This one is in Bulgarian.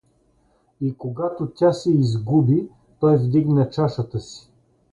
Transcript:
И когато тя се изгуби, той вдигна чашата си.